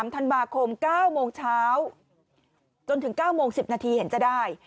ธันวาคม๙โมงเช้าจนถึง๙โมง๑๐นาทีเห็นจะได้